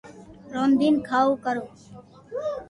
رودين ڪاو ڪرو